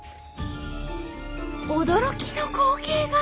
驚きの光景が。